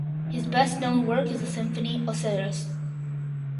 His best-known work is the symphony "Osiris".